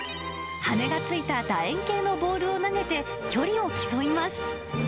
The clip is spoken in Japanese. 羽根が付いただ円形のボールを投げて距離を競います。